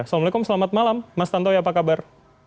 assalamualaikum selamat malam mas tantowi apa kabar